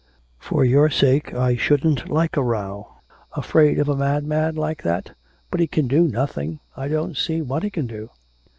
For your sake I shouldn't like a row. Afraid of a madman like that! But he can do nothing. I don't see what he can do.'